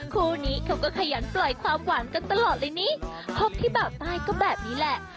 คู่นี้เขาก็ขยันปล่อยความหวานกันตลอดเลยนี่คบที่เบาใต้ก็แบบนี้แหละ